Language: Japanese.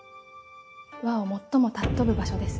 和を最も貴ぶ場所です。